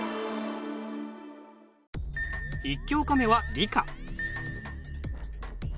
１教科目は理科。